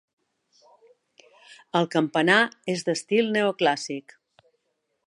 El campanar és d'estil neoclàssic.